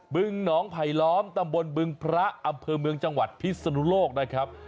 บึงหนองไผลล้อมตำบลบึงพระอำเภอเมืองจังหวัดพิศนุโลกนะครับ